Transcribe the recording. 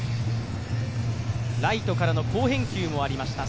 ライトからの好返球もありました。